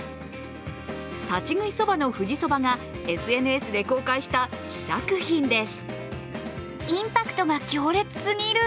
立ち食いそばの富士そばがＳＮＳで公開した試作品です。